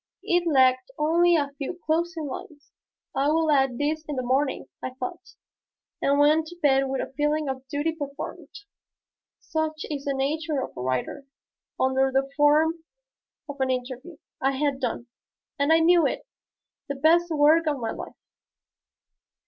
It lacked only a few closing lines. "I will add these in the morning," I thought, and went to bed with a feeling of duty performed, such is the nature of a writer. Under the form of an interview I had done, and I knew it, the best work of my life.